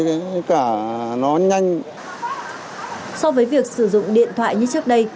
thì việc sử dụng điện thoại như trước đây thì việc sử dụng điện thoại như trước đây